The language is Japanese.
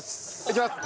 いきます。